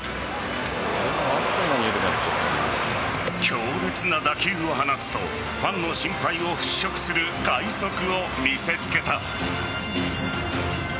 強烈な打球を放つとファンの心配を払拭する快足を見せつけた。